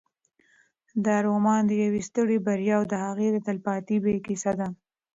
دا رومان د یوې سترې بریا او د هغې د تلپاتې بیې کیسه ده.